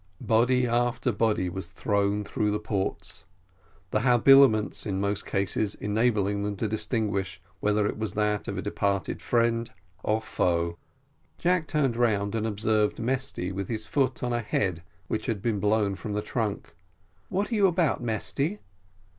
Body after body was thrown through the ports, the habiliments, in most cases, enabling them to distinguish whether it was that of a departed friend or foe. Jack turned round, and observed Mesty with his foot on a head which had been blown from the trunk. "What are you about, Mesty?"